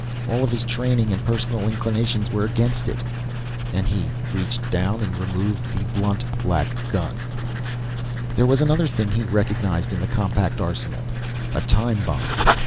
All of his training and personal inclinations were against it. And he reached down and removed the blunt, black gun. There was one other thing he recognized in the compact arsenal a time bomb.